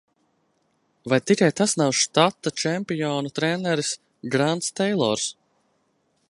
Vai tikai tas nav štata čempionu treneris Grants Teilors?